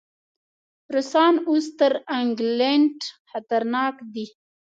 روسان اوس تر انګلینډ خطرناک دي.